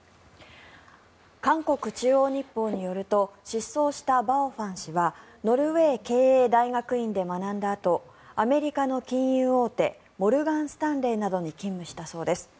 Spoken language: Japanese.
韓国中央日報によると失踪したバオ・ファン氏はノルウェー経営大学院で学んだあとアメリカの金融大手モルガン・スタンレーなどに勤務したそうです。